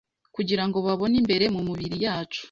kugirango babone imbere mumibiri yacu